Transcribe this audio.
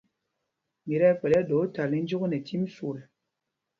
Mǐ tí ɛkpɛ̌l ɛ́ɗɛ óthǎl tí jyuk nɛ cîm swol.